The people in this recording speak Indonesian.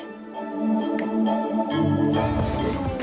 bisa apa lagi sih dia